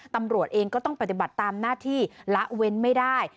ตำรวจเองก็ต้องปฏิบัติตามหน้าที่ละเว้นไม่ได้